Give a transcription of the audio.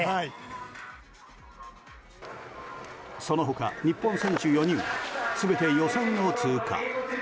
その他、日本選手４人は全て予選を通過。